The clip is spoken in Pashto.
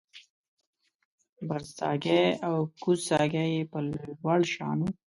برڅاګی او کوزڅاګی یې په لوړ شان و